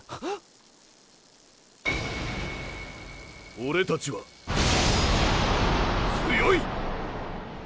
オレたちは強い！